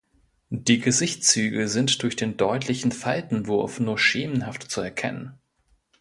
Die Gesichtszüge sind durch den deutlichen Faltenwurf nur schemenhaft zu erkennen.